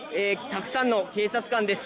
たくさんの警察官です。